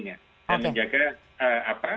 menjaga kesehatan menjaga kebersihan dan sebagainya